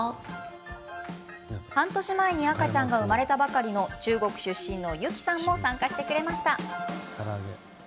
半年前に赤ちゃんが生まれたばかりの中国出身のユキさんも参加してくれました。